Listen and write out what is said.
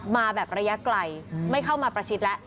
มาแบบระยะไกลไม่เข้ามาประชิดแล้ว